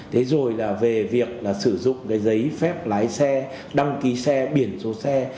thế rồi là về việc là sử dụng cái giấy phép lái xe đăng ký xe biển số xe